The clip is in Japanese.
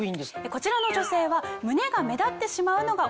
こちらの女性は。